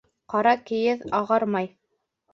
Ҡара кейеҙ ағармай.